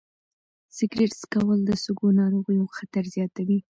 سګرټ څکول د سږو ناروغیو خطر زیاتوي.